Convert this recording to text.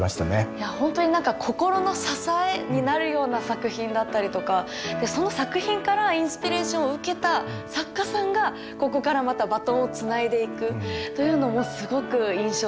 いや本当に何か心の支えになるような作品だったりとかその作品からインスピレーションを受けた作家さんがここからまたバトンをつないでいくというのもすごく印象的でしたね。